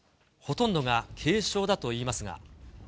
ほとんどが軽症だといいますが。